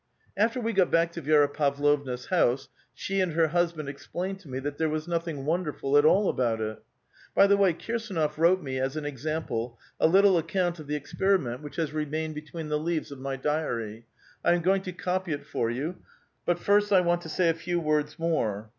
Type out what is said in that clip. After we got back to Vi^ra Pavlovna's house, sho and her husband explained to me that there was nothing wonderful at all about it. By the way, Kirsdnof wrote me as an exam ple a little account of the experiment which has remained A VITAL QUESTION. 393 between the leaves of my diary. I am going to copy it for you ; but first I want to say a few words more.